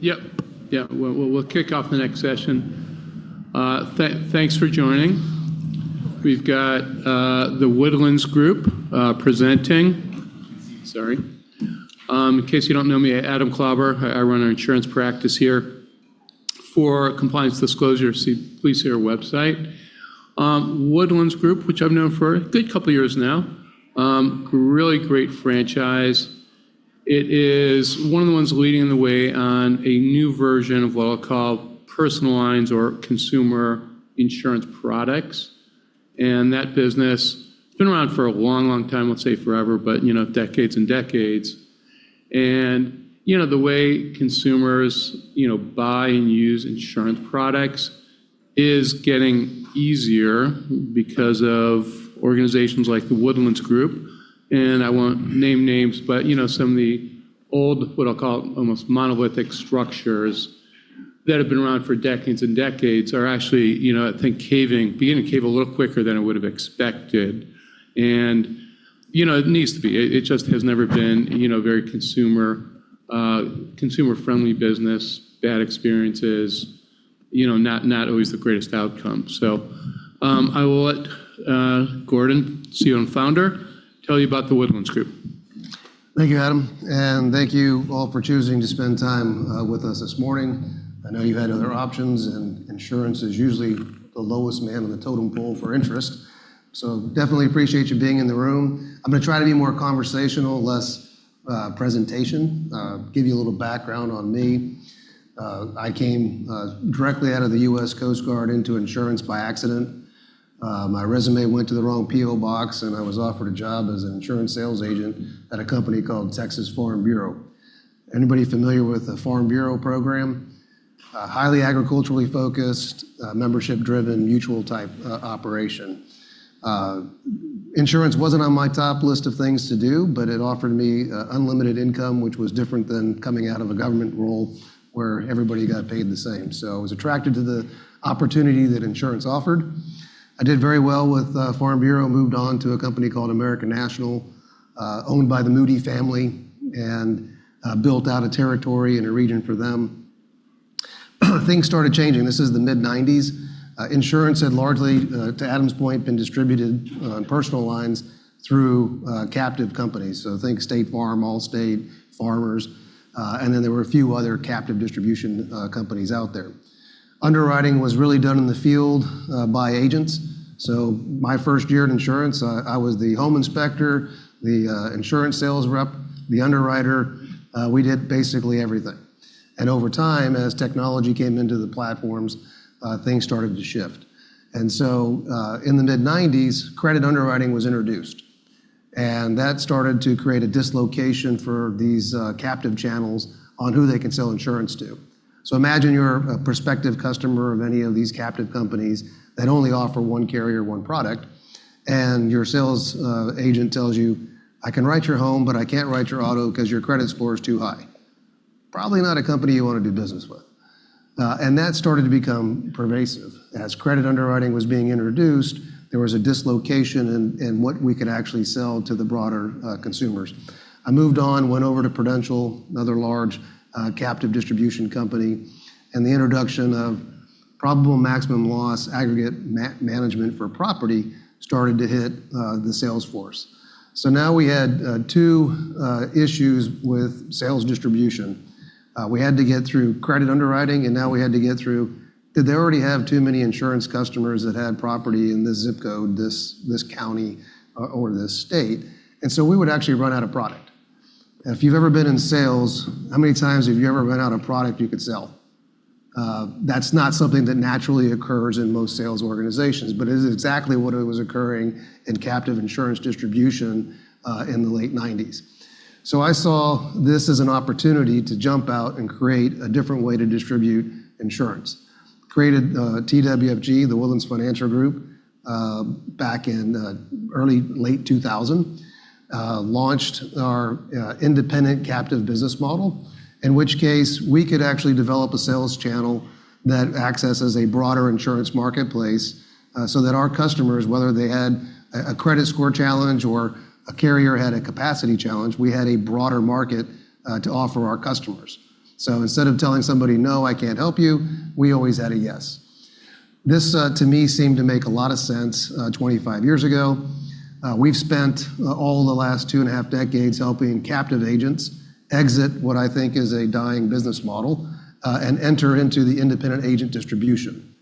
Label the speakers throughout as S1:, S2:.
S1: Yep. We'll kick off the next session. Thanks for joining. We've got the Woodlands Group presenting. Sorry. In case you don't know me, Adam Klauber, I run our insurance practice here. For compliance disclosure, please see our website. Woodlands Group, which I've known for a good couple of years now, really great franchise. It is one of the ones leading the way on a new version of what I'll call personal lines or consumer insurance products. That business has been around for a long time, I won't say forever, but decades and decades. The way consumers buy and use insurance products is getting easier because of organizations like the Woodlands Group. I won't name names, but some of the old, what I'll call almost monolithic structures that have been around for decades and decades are actually, I think, beginning to cave a little quicker than I would have expected. It needs to be. It just has never been a very consumer-friendly business. Bad experiences, not always the greatest outcome. I will let Gordy, CEO and Founder, tell you about The Woodlands Group.
S2: Thank you, Adam, and thank you all for choosing to spend time with us this morning. I know you had other options. Insurance is usually the lowest man on the totem pole for interest. Definitely appreciate you being in the room. I'm going to try to be more conversational, less presentation. Give you a little background on me. I came directly out of the U.S. Coast Guard into insurance by accident. My resume went to the wrong PO box, and I was offered a job as an insurance sales agent at a company called Texas Farm Bureau. Anybody familiar with the Farm Bureau program? A highly agriculturally-focused, membership-driven, mutual-type operation. Insurance wasn't on my top list of things to do, but it offered me unlimited income, which was different than coming out of a government role where everybody got paid the same. I was attracted to the opportunity that insurance offered. I did very well with Farm Bureau, moved on to a company called American National, owned by the Moody family, and built out a territory and a region for them. Things started changing. This is the mid-1990s. Insurance had largely, to Adam's point, been distributed on personal lines through captive companies. Think State Farm, Allstate, Farmers, and then there were a few other captive distribution companies out there. Underwriting was really done in the field by agents. My first year in insurance, I was the home inspector, the insurance sales rep, the underwriter. We did basically everything. Over time, as technology came into the platforms, things started to shift. In the mid-1990s, credit underwriting was introduced, and that started to create a dislocation for these captive channels on who they can sell insurance to. Imagine you're a prospective customer of any of these captive companies that only offer one carrier, one product, and your sales agent tells you, "I can write your home, but I can't write your auto because your credit score is too high." Probably not a company you want to do business with. That started to become pervasive. As credit underwriting was being introduced, there was a dislocation in what we could actually sell to the broader consumers. I moved on, went over to Prudential, another large captive distribution company, and the introduction of probable maximum loss aggregate management for property started to hit the sales force. Now we had two issues with sales distribution. We had to get through credit underwriting, now we had to get through, did they already have too many insurance customers that had property in this zip code, this county, or this state? We would actually run out of product. If you've ever been in sales, how many times have you ever run out of product you could sell? That's not something that naturally occurs in most sales organizations, but it is exactly what was occurring in captive insurance distribution in the late 1990s. I saw this as an opportunity to jump out and create a different way to distribute insurance. Created TWFG, The Woodlands Financial Group, back in early late 2000. Launched our independent captive business model. In which case, we could actually develop a sales channel that accesses a broader insurance marketplace so that our customers, whether they had a credit score challenge or a carrier had a capacity challenge, we had a broader market to offer our customers. Instead of telling somebody, "No, I can't help you," we always had a yes. This, to me, seemed to make a lot of sense 25 years ago. We've spent all the last 2.5 decades helping captive agents exit what I think is a dying business model and enter into the independent agent distribution.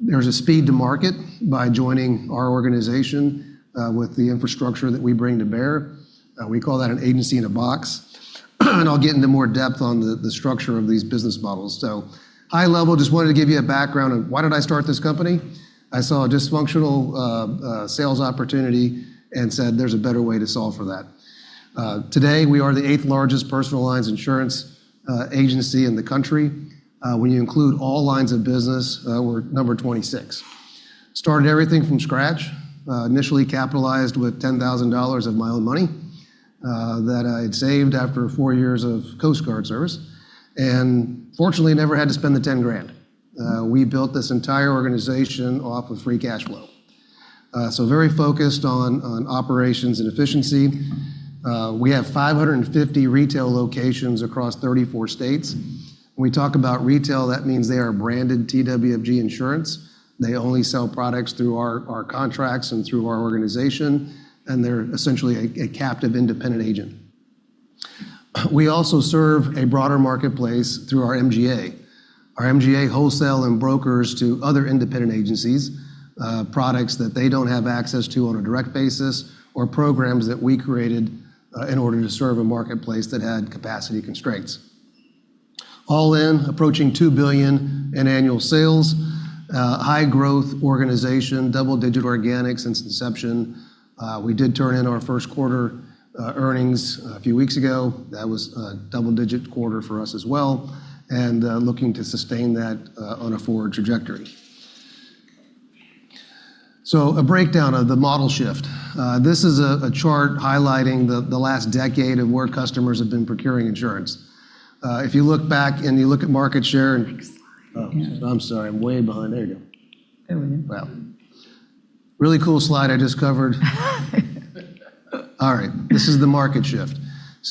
S2: There's a speed to market by joining our organization with the infrastructure that we bring to bear. We call that an agency in a box. I'll get into more depth on the structure of these business models. High level, just wanted to give you a background on why did I start this company. I saw a dysfunctional sales opportunity and said there's a better way to solve for that. Today, we are the eighth-largest personal lines insurance agency in the country. When you include all lines of business, we're number 26. Started everything from scratch. Initially capitalized with $10,000 of my own money that I had saved after four years of Coast Guard service. Fortunately, never had to spend the $10,000. We built this entire organization off of free cash flow. Very focused on operations and efficiency. We have 550 retail locations across 34 states. When we talk about retail, that means they are branded TWFG Insurance. They only sell products through our contracts and through our organization, and they're essentially a captive independent agent. We also serve a broader marketplace through our MGA. Our MGA wholesale and brokers to other independent agencies, products that they don't have access to on a direct basis or programs that we created in order to serve a marketplace that had capacity constraints. All in, approaching $2 billion in annual sales. High-growth organization, double-digit organic since inception. We did turn in our first quarter earnings a few weeks ago. That was a double-digit quarter for us as well, and looking to sustain that on a forward trajectory. A breakdown of the model shift. This is a chart highlighting the last decade of where customers have been procuring insurance. If you look back and you look at market share. Next slide. Yeah. Oh, I'm sorry. I'm way behind. There you go. There we go. Wow. Really cool slide I just covered. All right. This is the market shift.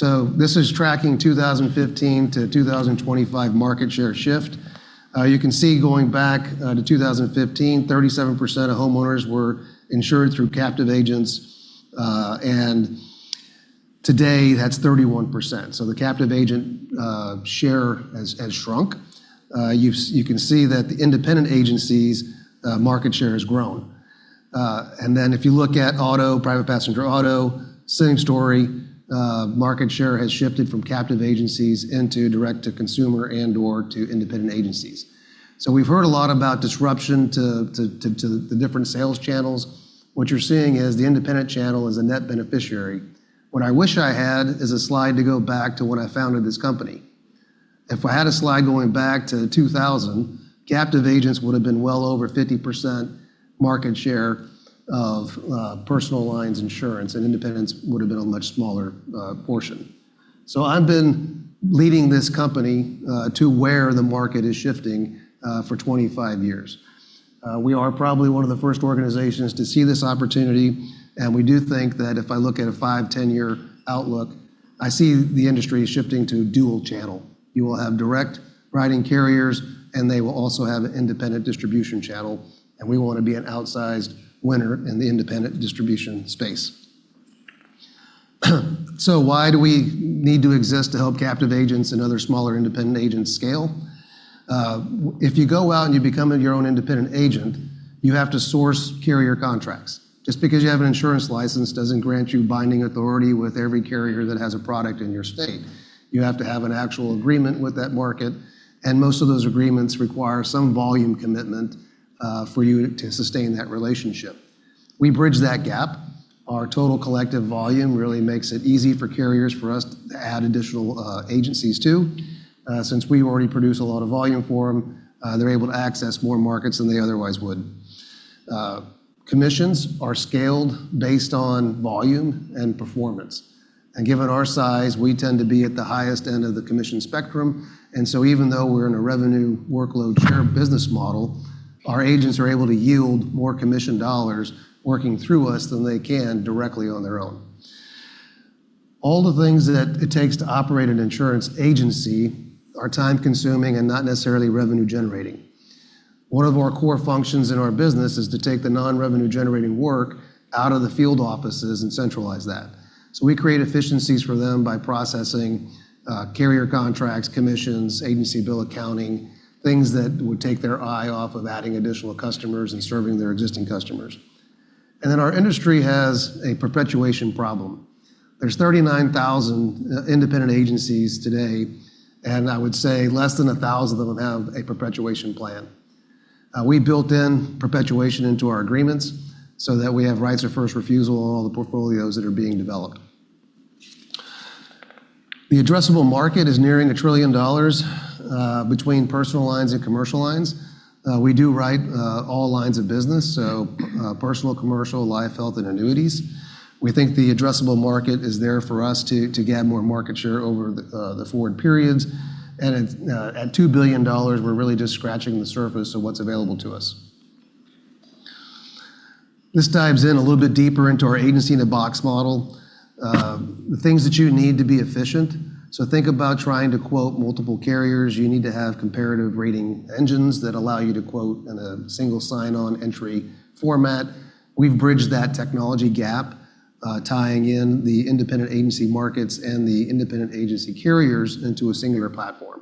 S2: This is tracking 2015 to 2025 market share shift. You can see going back to 2015, 37% of homeowners were insured through captive agents, and today that's 31%. The captive agent share has shrunk. You can see that the independent agency's market share has grown. If you look at auto, private passenger auto, same story. Market share has shifted from captive agencies into direct-to-consumer and/or to independent agencies. We've heard a lot about disruption to the different sales channels. What you're seeing is the independent channel is a net beneficiary. What I wish I had is a slide to go back to when I founded this company. If I had a slide going back to 2000, captive agents would have been well over 50% market share of personal lines insurance, and independents would have been a much smaller portion. I've been leading this company to where the market is shifting for 25 years. We are probably one of the first organizations to see this opportunity, and we do think that if I look at a five, 10-year outlook, I see the industry shifting to dual channel. You will have direct writing carriers, and they will also have an independent distribution channel, and we want to be an outsized winner in the independent distribution space. Why do we need to exist to help captive agents and other smaller independent agents scale? If you go out and you become your own independent agent, you have to source carrier contracts. Just because you have an insurance license doesn't grant you binding authority with every carrier that has a product in your state. You have to have an actual agreement with that market, and most of those agreements require some volume commitment for you to sustain that relationship. We bridge that gap. Our total collective volume really makes it easy for carriers, for us to add additional agencies too. Since we already produce a lot of volume for them, they're able to access more markets than they otherwise would. Commissions are scaled based on volume and performance. Given our size, we tend to be at the highest end of the commission spectrum. Even though we're in a revenue share business model, our agents are able to yield more commission dollars working through us than they can directly on their own. All the things that it takes to operate an insurance agency are time-consuming and not necessarily revenue-generating. One of our core functions in our business is to take the non-revenue-generating work out of the field offices and centralize that. We create efficiencies for them by processing carrier contracts, commissions, agency bill accounting, things that would take their eye off of adding additional customers and serving their existing customers. Our industry has a perpetuation problem. There's 39,000 independent agencies today, and I would say less than 1,000 of them have a perpetuation plan. We built in perpetuation into our agreements so that we have rights of first refusal on all the portfolios that are being developed. The addressable market is nearing $1 trillion between personal lines and commercial lines. We do write all lines of business, so personal, commercial, life, health, and annuities. We think the addressable market is there for us to get more market share over the forward periods. At $2 billion, we're really just scratching the surface of what's available to us. This dives in a little bit deeper into our agency-in-a-box model. The things that you need to be efficient. Think about trying to quote multiple carriers. You need to have comparative rating engines that allow you to quote in a single sign-on entry format. We've bridged that technology gap, tying in the independent agency markets and the independent agency carriers into a singular platform.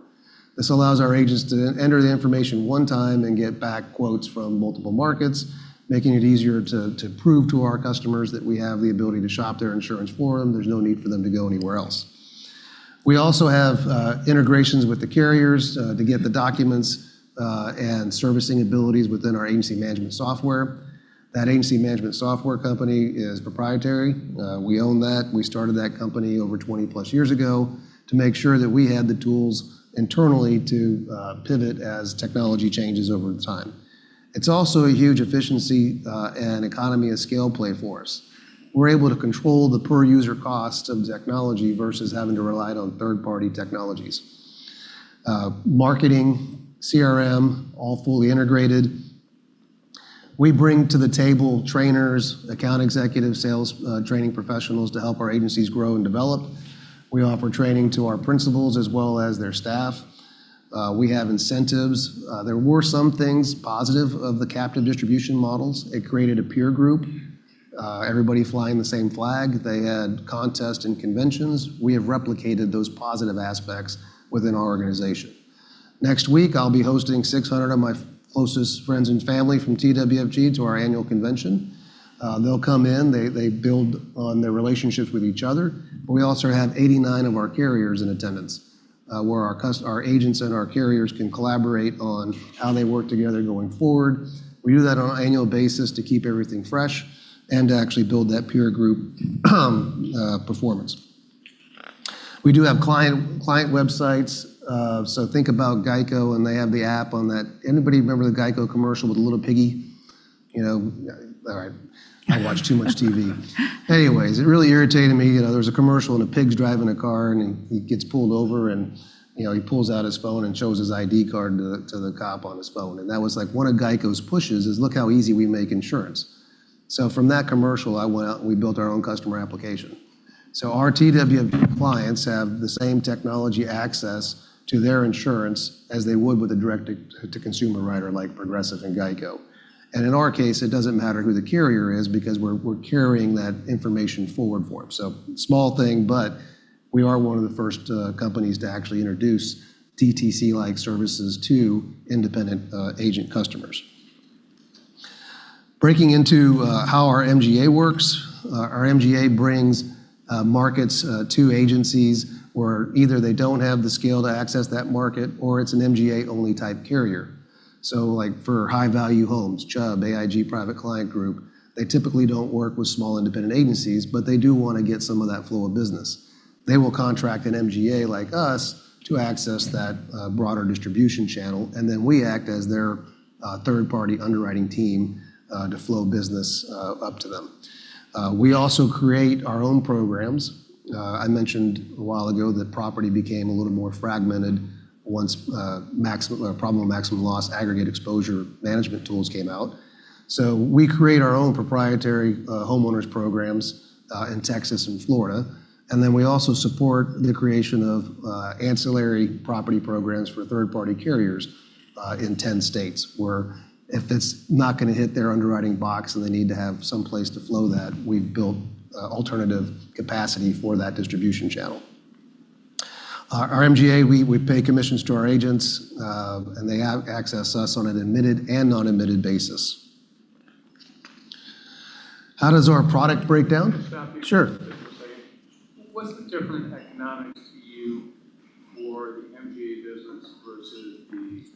S2: This allows our agents to enter the information one time and get back quotes from multiple markets, making it easier to prove to our customers that we have the ability to shop their insurance for them. There's no need for them to go anywhere else. We also have integrations with the carriers to get the documents and servicing abilities within our agency management software. That agency management software company is proprietary. We own that. We started that company over 20+ years ago to make sure that we had the tools internally to pivot as technology changes over time. It's also a huge efficiency and economy of scale play for us. We're able to control the per-user cost of technology versus having to rely on third-party technologies. Marketing, CRM, all fully integrated. We bring to the table trainers, account executives, sales training professionals to help our agencies grow and develop. We offer training to our principals as well as their staff. We have incentives. There were some things positive of the captive distribution models. It created a peer group, everybody flying the same flag. They had contests and conventions. We have replicated those positive aspects within our organization. Next week, I'll be hosting 600 of my closest friends and family from TWFG to our annual convention. They'll come in, they build on their relationships with each other, but we also have 89 of our carriers in attendance, where our agents and our carriers can collaborate on how they work together going forward. We do that on an annual basis to keep everything fresh and to actually build that peer group performance. We do have client websites. Think about GEICO, and they have the app on that. Anybody remember the GEICO commercial with the little piggy? All right. I watch too much TV. It really irritated me. There was a commercial, and a pig's driving a car, and he gets pulled over, and he pulls out his phone and shows his ID card to the cop on his phone. That was one of GEICO's pushes is, "Look how easy we make insurance." From that commercial, I went out and we built our own customer application. Our TWFG clients have the same technology access to their insurance as they would with a direct-to-consumer writer like Progressive and GEICO. In our case, it doesn't matter who the carrier is because we're carrying that information forward for them. Small thing, but we are one of the first companies to actually introduce DTC-like services to independent agent customers. Breaking into how our MGA works. Our MGA brings markets to agencies where either they don't have the scale to access that market, or it's an MGA-only type carrier. For high-value homes, Chubb, AIG, Private Client Group, they typically don't work with small independent agencies, but they do want to get some of that flow of business. They will contract an MGA like us to access that broader distribution channel, and then we act as their third-party underwriting team to flow business up to them. We also create our own programs. I mentioned a while ago that property became a little more fragmented once probable maximum loss aggregate exposure management tools came out. We create our own proprietary homeowners programs in Texas and Florida, and then we also support the creation of ancillary property programs for third-party carriers in 10 states, where if it's not going to hit their underwriting box and they need to have some place to flow that, we've built alternative capacity for that distribution channel. Our MGA, we pay commissions to our agents, and they access us on an admitted and non-admitted basis. How does our product break down?
S1: Can I stop you?
S2: Sure.
S1: What's the different economics to you for the MGA business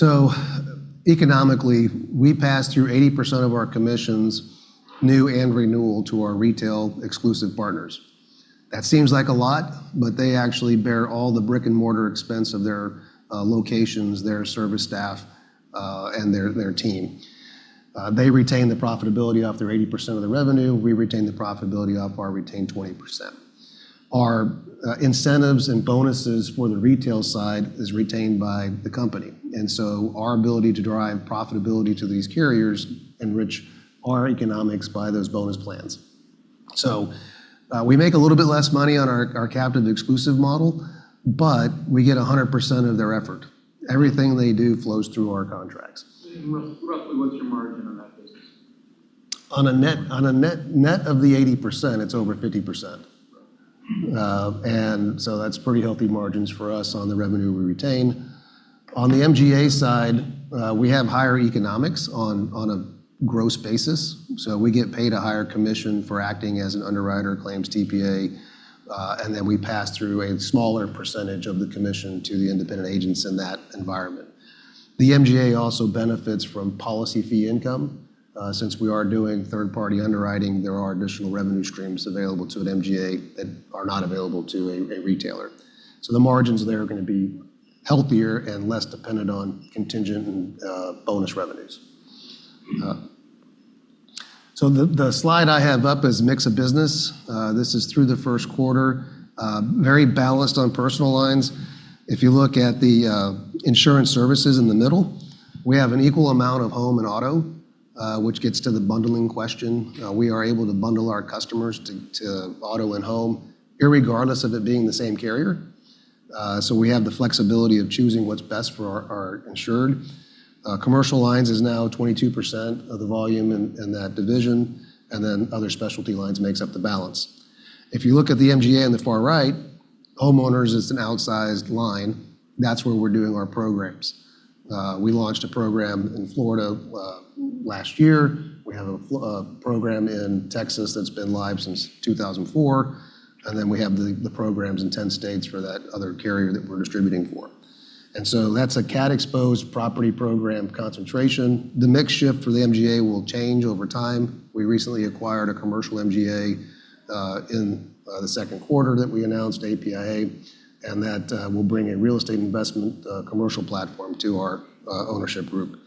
S1: versus the core agency business?
S2: Economically, we pass through 80% of our commissions, new and renewal, to our retail exclusive partners. That seems like a lot, but they actually bear all the brick-and-mortar expense of their locations, their service staff, and their team. They retain the profitability off their 80% of the revenue. We retain the profitability off our retained 20%. Our incentives and bonuses for the retail side is retained by the company. Our ability to drive profitability to these carriers enrich our economics by those bonus plans. We make a little bit less money on our captive exclusive model, but we get 100% of their effort. Everything they do flows through our contracts.
S1: Roughly, what's your margin on that business?
S2: On a net of the 80%, it is over 50%.
S1: Right.
S2: That's pretty healthy margins for us on the revenue we retain. On the MGA side, we have higher economics on a gross basis. We get paid a higher commission for acting as an underwriter claims TPA. We pass through a smaller percentage of the commission to the independent agents in that environment. The MGA also benefits from policy fee income. Since we are doing third-party underwriting, there are additional revenue streams available to an MGA that are not available to a retailer. The margins there are going to be healthier and less dependent on contingent and bonus revenues. The slide I have up is mix of business. This is through the first quarter. Very balanced on personal lines. If you look at the insurance services in the middle, we have an equal amount of home and auto, which gets to the bundling question. We are able to bundle our customers to auto and home regardless of it being the same carrier. We have the flexibility of choosing what's best for our insured. Commercial Lines is now 22% of the volume in that division, other specialty lines makes up the balance. If you look at the MGA on the far right, homeowners is an outsized line. That's where we're doing our programs. We launched a program in Florida last year. We have a program in Texas that's been live since 2004, we have the programs in 10 states for that other carrier that we're distributing for. That's a cat-exposed property program concentration. The mix shift for the MGA will change over time. We recently acquired a commercial MGA in the second quarter that we announced, APIA, that will bring a real estate investment commercial platform to our ownership group.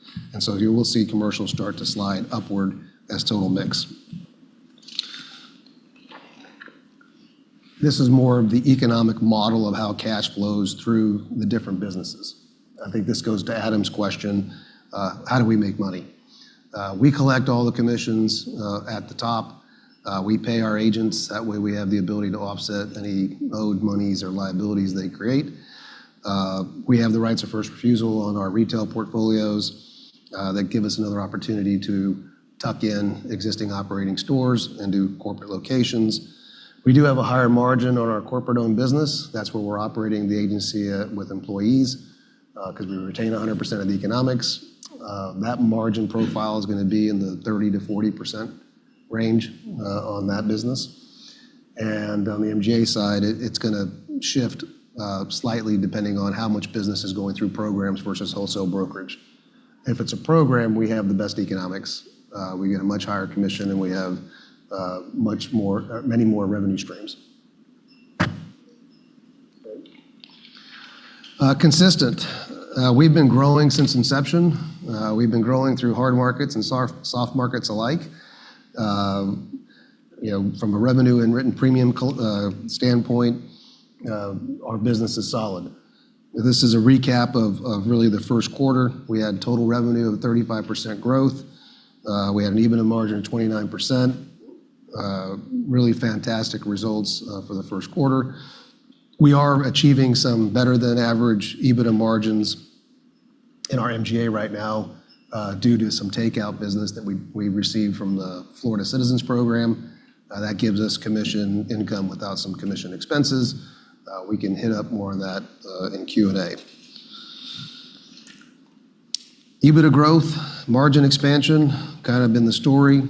S2: You will see commercial start to slide upward as total mix. This is more of the economic model of how cash flows through the different businesses. I think this goes to Adam's question, how do we make money? We collect all the commissions at the top. We pay our agents. That way, we have the ability to offset any owed monies or liabilities they create. We have the rights of first refusal on our retail portfolios. That give us another opportunity to tuck in existing operating stores and do corporate locations. We do have a higher margin on our corporate-owned business. That's where we're operating the agency with employees, because we retain 100% of the economics. That margin profile is going to be in the 30%-40% range on that business. On the MGA side, it's going to shift slightly depending on how much business is going through programs versus wholesale brokerage. If it's a program, we have the best economics. We get a much higher commission, and we have many more revenue streams. Consistent. We've been growing since inception. We've been growing through hard markets and soft markets alike. From a revenue and written premium standpoint, our business is solid. This is a recap of really the first quarter. We had total revenue of 35% growth. We had an EBITDA margin of 29%. Really fantastic results for the first quarter. We are achieving some better than average EBITDA margins in our MGA right now due to some takeout business that we received from the Florida Citizens Program. That gives us commission income without some commission expenses. We can hit up more on that in Q&A. EBITDA growth, margin expansion, kind of been the story.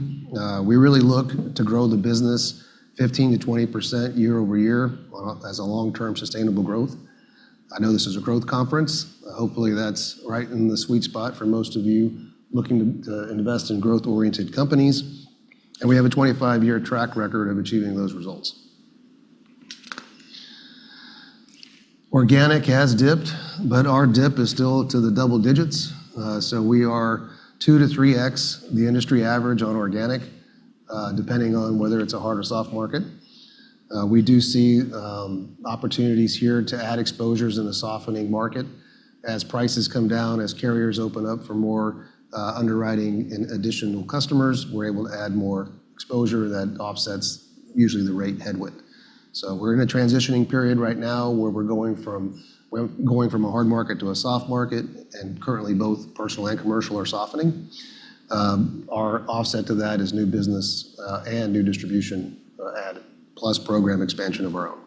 S2: We really look to grow the business 15%-20% year-over-year as a long-term sustainable growth. I know this is a growth conference. Hopefully, that's right in the sweet spot for most of you looking to invest in growth-oriented companies. We have a 25-year track record of achieving those results. Organic has dipped, our dip is still to the double digits. We are 2x-3x the industry average on organic, depending on whether it's a hard or soft market. We do see opportunities here to add exposures in the softening market. As prices come down, as carriers open up for more underwriting and additional customers, we're able to add more exposure that offsets usually the rate headwind. We're in a transitioning period right now where we're going from a hard market to a soft market, and currently both personal and commercial are softening. Our offset to that is new business and new distribution add, plus program expansion of our own.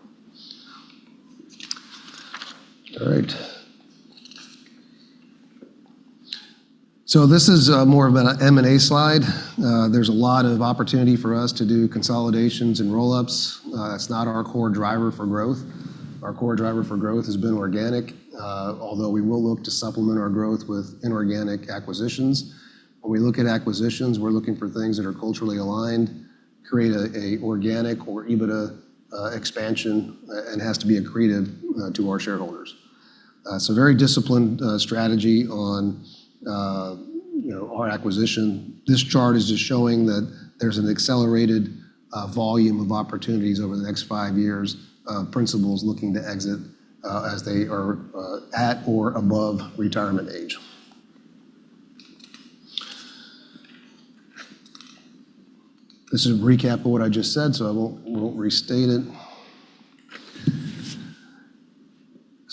S2: All right. This is more of an M&A slide. There's a lot of opportunity for us to do consolidations and roll-ups. It's not our core driver for growth. Our core driver for growth has been organic, although we will look to supplement our growth with inorganic acquisitions. When we look at acquisitions, we're looking for things that are culturally aligned, create a organic or EBITDA expansion, and has to be accretive to our shareholders. It's a very disciplined strategy on our acquisition. This chart is just showing that there's an accelerated volume of opportunities over the next five years. Principals looking to exit as they are at or above retirement age. This is a recap of what I just said, I won't restate it.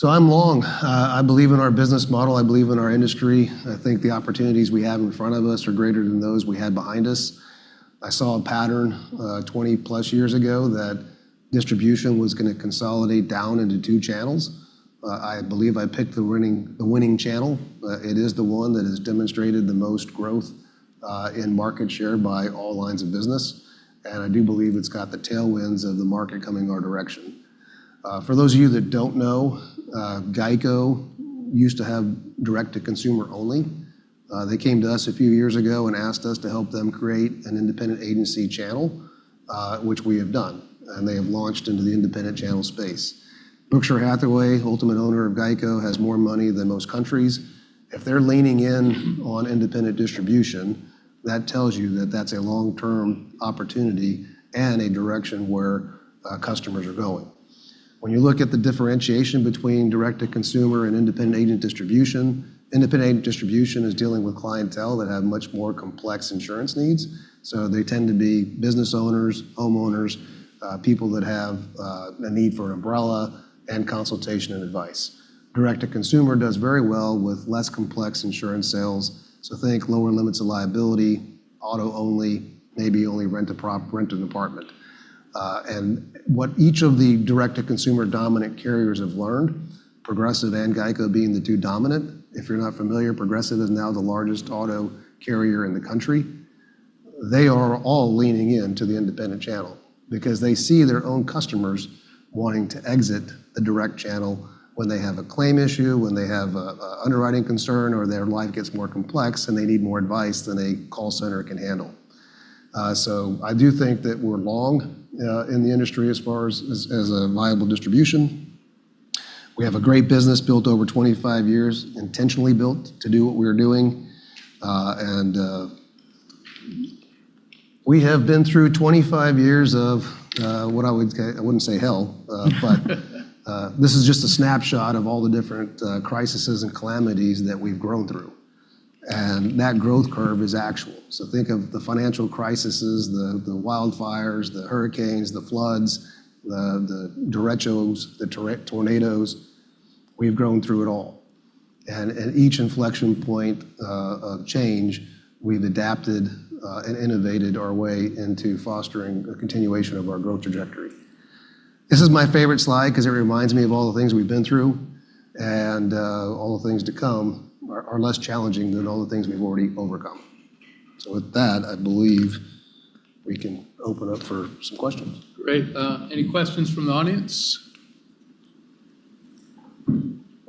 S2: I'm long. I believe in our business model. I believe in our industry. I think the opportunities we have in front of us are greater than those we had behind us. I saw a pattern 20+ years ago that distribution was going to consolidate down into two channels. I believe I picked the winning channel. It is the one that has demonstrated the most growth in market share by all lines of business, and I do believe it's got the tailwinds of the market coming our direction. For those of you that don't know, GEICO used to have direct-to-consumer only. They came to us a few years ago and asked us to help them create an independent agency channel, which we have done, and they have launched into the independent channel space. Berkshire Hathaway, ultimate owner of GEICO, has more money than most countries. If they're leaning in on independent distribution, that tells you that that's a long-term opportunity and a direction where customers are going. When you look at the differentiation between direct-to-consumer and independent agent distribution, independent agent distribution is dealing with clientele that have much more complex insurance needs. They tend to be business owners, homeowners, people that have a need for umbrella and consultation and advice. Direct-to-consumer does very well with less complex insurance sales. Think lower limits of liability, auto only, maybe only rent an apartment. What each of the direct-to-consumer dominant carriers have learned, Progressive and GEICO being the two dominant. If you're not familiar, Progressive is now the largest auto carrier in the country. They are all leaning into the independent channel because they see their own customers wanting to exit the direct channel when they have a claim issue, when they have a underwriting concern, or their life gets more complex, and they need more advice than a call center can handle. I do think that we're long in the industry as far as a viable distribution. We have a great business built over 25 years, intentionally built to do what we're doing. We have been through 25 years of what I would say, I wouldn't say hell, but this is just a snapshot of all the different crises and calamities that we've grown through. That growth curve is actual. Think of the financial crises, the wildfires, the hurricanes, the floods, the derechos, the tornadoes. We've grown through it all. At each inflection point of change, we've adapted and innovated our way into fostering a continuation of our growth trajectory. This is my favorite slide because it reminds me of all the things we've been through, and all the things to come are less challenging than all the things we've already overcome. With that, I believe we can open up for some questions.
S1: Great. Any questions from the audience?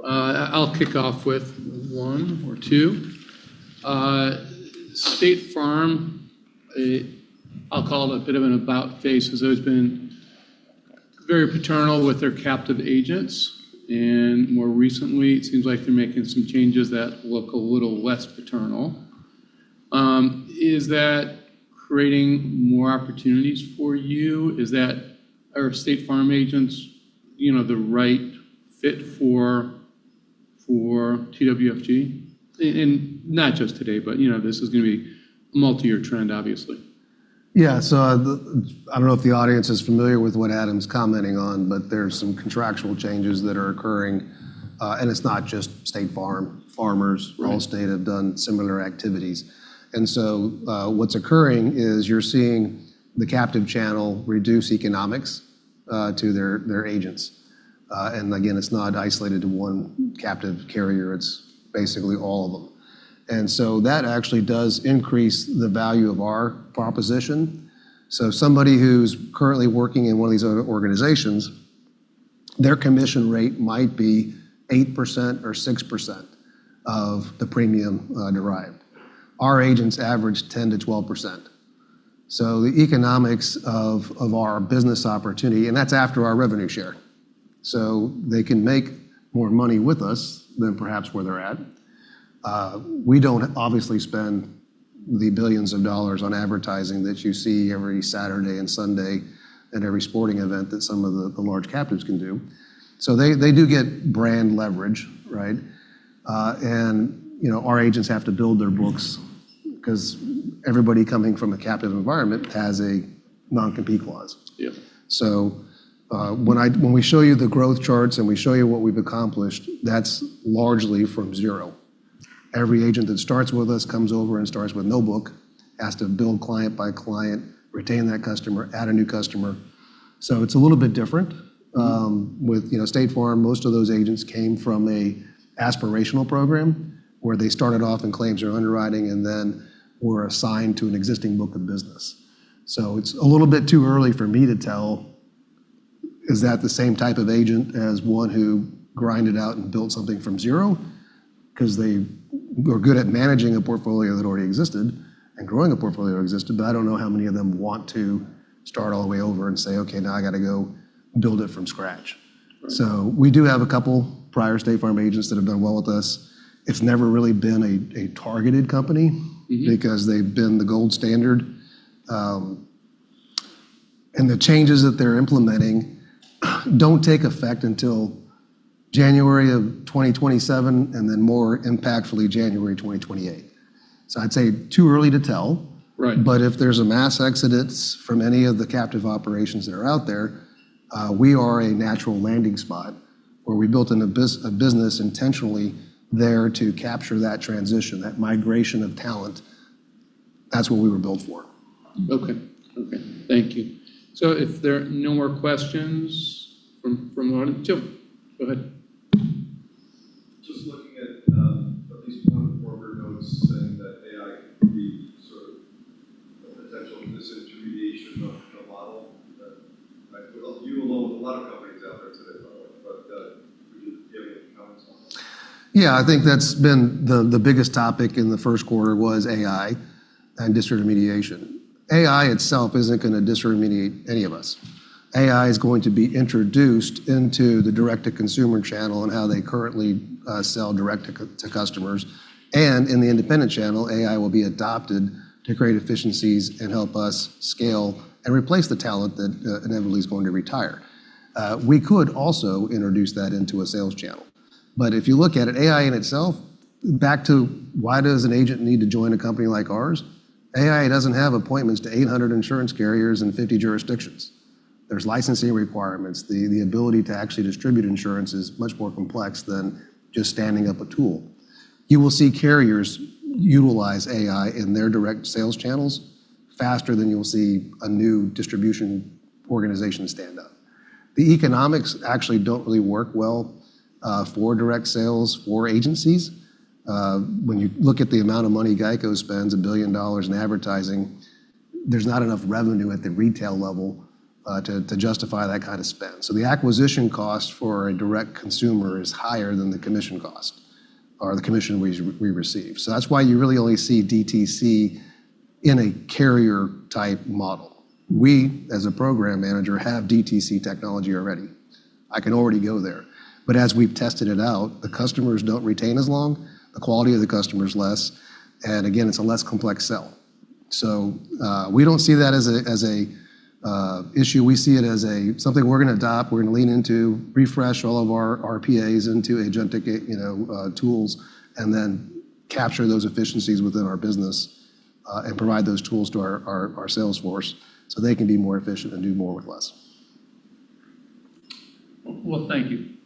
S1: I'll kick off with one or two. State Farm, I'll call it a bit of an about-face, has always been very paternal with their captive agents, and more recently, it seems like they're making some changes that look a little less paternal. Is that creating more opportunities for you? Are State Farm agents the right fit for TWFG? Not just today, but this is going to be a multi-year trend, obviously.
S2: Yeah. I don't know if the audience is familiar with what Adam's commenting on, but there's some contractual changes that are occurring. It's not just State Farm. Farmers.
S1: Right.
S2: Allstate have done similar activities. What's occurring is you're seeing the captive channel reduce economics to their agents. Again, it's not isolated to one captive carrier, it's basically all of them. That actually does increase the value of our proposition. Somebody who's currently working in one of these other organizations, their commission rate might be 8% or 6% of the premium derived. Our agents average 10%-12%. The economics of our business opportunity, that's after our revenue share. They can make more money with us than perhaps where they're at. We don't obviously spend the billions of dollars on advertising that you see every Saturday and Sunday at every sporting event that some of the large captives can do. They do get brand leverage, right? Our agents have to build their books because everybody coming from a captive environment has a non-compete clause.
S1: Yep.
S2: When we show you the growth charts and we show you what we've accomplished, that's largely from zero. Every agent that starts with us comes over and starts with no book, has to build client by client, retain that customer, add a new customer. It's a little bit different. With State Farm, most of those agents came from an aspirational program where they started off in claims or underwriting and then were assigned to an existing book of business. It's a little bit too early for me to tell, is that the same type of agent as one who grinded out and built something from zero? They were good at managing a portfolio that already existed and growing a portfolio that existed, but I don't know how many of them want to start all the way over and say, "Okay, now I got to go build it from scratch.
S1: Right.
S2: We do have a couple prior State Farm agents that have done well with us. It's never really been a targeted company. because they've been the gold standard. The changes that they're implementing don't take effect until January of 2027, and then more impactfully, January 2028. I'd say too early to tell.
S1: Right.
S2: If there's a mass exodus from any of the captive operations that are out there, we are a natural landing spot where we built a business intentionally there to capture that transition, that migration of talent. That's what we were built for.
S1: Okay. Thank you. If there are no more questions, two. Go ahead.
S3: Just looking at at least one of your notes saying that AI could be sort of a potential disintermediation of the model that you along with a lot of companies out there today, by the way. Could you give any comments on that?
S2: I think that's been the biggest topic in the first quarter was AI and disintermediation. AI itself isn't going to disintermediate any of us. AI is going to be introduced into the direct-to-consumer channel and how they currently sell direct to customers. In the independent channel, AI will be adopted to create efficiencies and help us scale and replace the talent that inevitably is going to retire. We could also introduce that into a sales channel. If you look at it, AI in itself, back to why does an agent need to join a company like ours? AI doesn't have appointments to 800 insurance carriers in 50 jurisdictions. There's licensing requirements. The ability to actually distribute insurance is much more complex than just standing up a tool. You will see carriers utilize AI in their direct sales channels faster than you'll see a new distribution organization stand up. The economics actually don't really work well for direct sales for agencies. When you look at the amount of money GEICO spends, $1 billion in advertising, there's not enough revenue at the retail level to justify that kind of spend. The acquisition cost for a direct consumer is higher than the commission cost or the commission we receive. That's why you really only see DTC in a carrier-type model. We, as a program manager, have DTC technology already. I can already go there. As we've tested it out, the customers don't retain as long, the quality of the customer is less, and again, it's a less complex sell. We don't see that as an issue. We see it as something we're going to adopt, we're going to lean into, refresh all of our APIs into agentic tools, and then capture those efficiencies within our business, and provide those tools to our sales force so they can be more efficient and do more with less.
S1: Well, thank you.
S2: Yep.